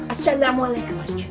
assalamualaikum mas celaka